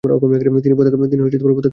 তিনি পতাকা রক্ষা করেন।